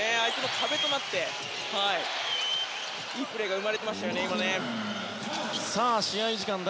壁となっていいプレーが生まれていました。